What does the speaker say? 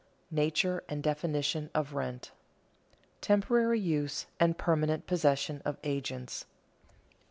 NATURE AND DEFINITION OF RENT [Sidenote: Temporary use and permanent possession of agents] 1.